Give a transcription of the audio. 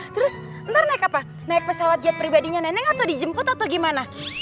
terus ntar naik apa naik pesawat jet pribadinya nenek atau dijemput atau gimana